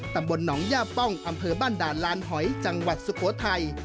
ตำบลหนองย่าป้องอำเภอบ้านด่านลานหอยจังหวัดสุโขทัย